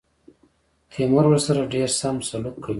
تیمور ورسره ډېر سم سلوک کوي.